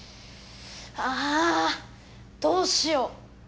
あどうしよう。